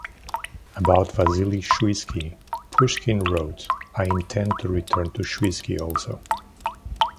About Vasili Shuisky, Pushkin wrote, I intend to return to Shuisky also.